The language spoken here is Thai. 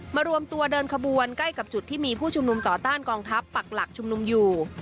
รวมตัวเดินขบวนใกล้กับจุดที่มีผู้ชุมนุมต่อต้านกองทัพปักหลักชุมนุมอยู่